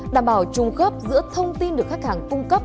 đảm bảo trùng khớp giữa thông tin được khách hàng cung cấp